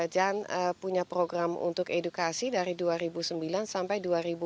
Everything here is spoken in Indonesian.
jan punya program untuk edukasi dari dua ribu sembilan sampai dua ribu dua puluh